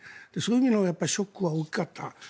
そういう意味のショックは大きかった。